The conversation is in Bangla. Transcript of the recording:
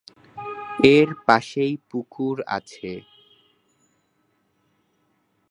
এর পাশেই পুকুর আছে।